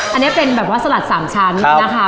อันนี้เป็นแบบว่าสลัด๓ชั้นนะคะ